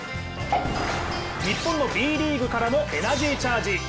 日本のＢリーグからもエナジーチャージ。